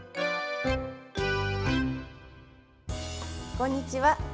こんにちは。